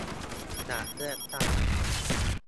อยากเลือกตั้ง